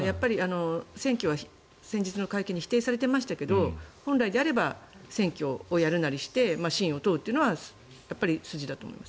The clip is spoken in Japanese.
選挙は先日の会見で否定されていましたけど本来であれば選挙をやるなりして信を問うというのは筋だと思います。